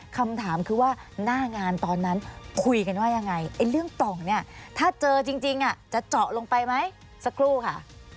คำถามคือว่าหน้างานตอนนั้นคุยกันว่ายังไงไอ้เรื่องปล่องเนี่ยถ้าเจอจริงจะเจาะลงไปไหมสักครู่ค่ะ